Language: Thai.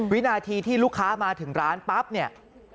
วินาทีที่ลูกค้ามาถึงร้านปั๊บเนี่ย